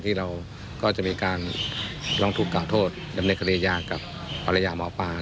ที่เราก็จะมีการลองถูกกล่าวโทษดำเนินคดียากับภรรยาหมอปลา